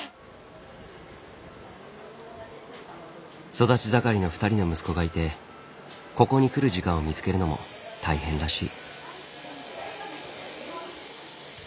育ち盛りの２人の息子がいてここに来る時間を見つけるのも大変らしい。